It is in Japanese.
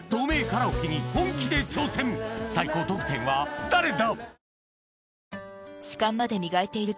レ最高得点は誰だ！？